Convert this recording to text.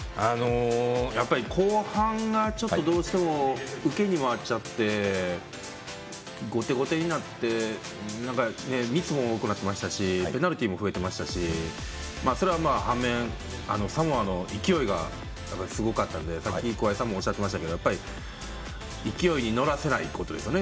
やっぱり後半がちょっと、どうしても受けに回っちゃって後手後手になってなんかミスも多くなってましたしペナルティも増えてましたしそれは反面、サモアの勢いがすごかったんでさっき桑井さんもおっしゃってましたけど勢いにのらせないことですよね